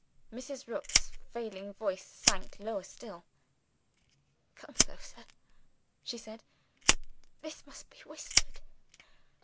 Mrs. Rook's failing voice sank lower still. "Come closer," she said, "this must be whispered.